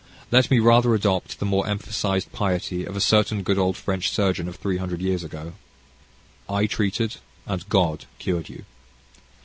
Let me rather adopt the more emphasised piety of a certain good old French surgeon of three hundred years ago: "I treated, and God cured you."